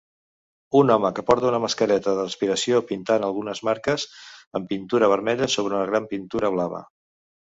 Un home que porta una mascareta de respiració pintant algunes marques amb pintura vermella sobre una gran pintura blava